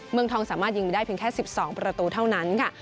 เมืองทองสามารถยิงไปได้เพียงแค่๑๒ประตูเท่านั้นค่ะ